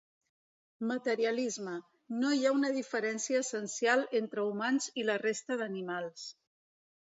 Materialisme: no hi ha una diferència essencial entre humans i la resta d'animals.